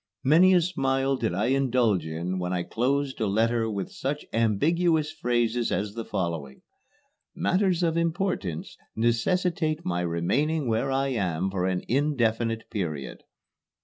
Many a smile did I indulge in when I closed a letter with such ambiguous phrases as the following: "Matters of importance necessitate my remaining where I am for an indefinite period."